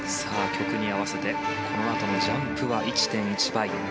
曲に合わせてこのあとのジャンプは１．１倍。